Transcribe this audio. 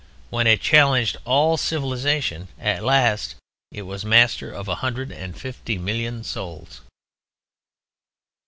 When it challenged all civilization at last it was master of a hundred and fifty million souls.